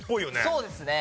そうですね。